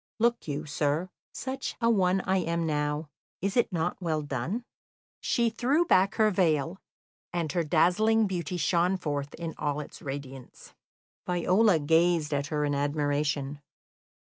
Look you, sir, such a one I am now. Is it not well done?" She threw back her veil, and her dazzling beauty shone forth in all its radiance. Viola gazed at her in admiration.